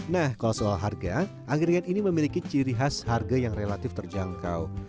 nah kalau soal harga angkringan ini memiliki ciri khas harga yang relatif terjangkau